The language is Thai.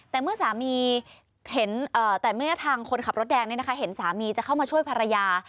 แต่เมื่อทางคนขับรถแดงนี่นะคะเห็นสามีจะเข้ามาช่วยภรรยา